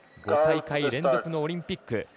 ５大会連続のオリンピック。